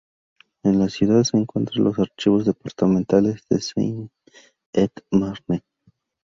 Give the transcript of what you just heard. En la ciudad se encuentran los Archivos departamentales de Seine-et-Marne